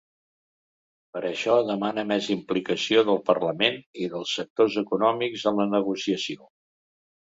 Per això demana més implicació del parlament i dels sectors econòmics en la negociació.